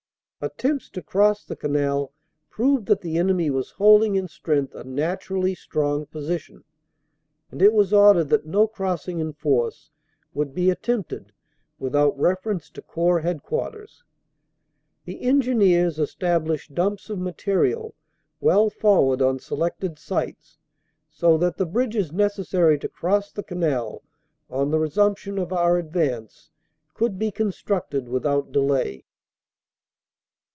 "Attempts to cross the Canal proved that the enemy was holding in strength a naturally strong position, and it was ordered that no crossing in force would be attempted without reference to Corps Headquarters. The Engineers established dumps of material well forward on selected sites so that the bridges necessary to cross the Canal on the resumption of our advance could be constructed without delay."